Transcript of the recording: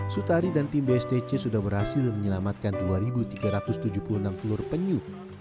sutari dan tim bstc sudah berhasil menyelamatkan dua tiga ratus tujuh puluh enam telur penyu